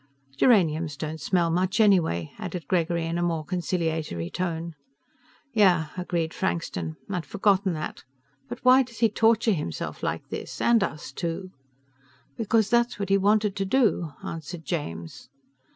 "Geraniums don't smell much anyway," added Gregory in a more conciliatory tone. "Yeah," agreed Frankston, "I'd forgotten that. But why does he torture himself like this, and us, too?" "Because that's what he wanted to do," answered James.